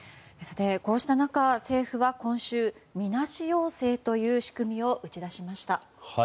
こうした中、政府は今週みなし陽性という仕組みを打ち出しました。